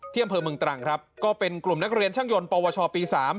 อำเภอเมืองตรังครับก็เป็นกลุ่มนักเรียนช่างยนต์ปวชปี๓